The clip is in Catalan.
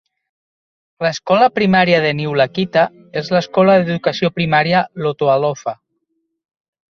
L'escola primària de Niulakita és l'Escola d'educació primària Lotoalofa.